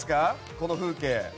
この風景。